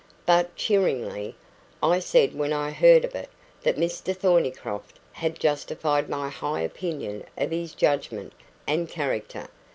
But" cheeringly "I said when I heard of it that Mr Thornycroft had justified my high opinion of his judgment and character.